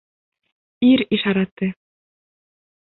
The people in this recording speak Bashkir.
Ир ишараты.